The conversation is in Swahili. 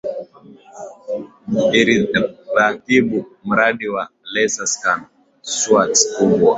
iliratibu mradi kwa laser Scan swaths kubwa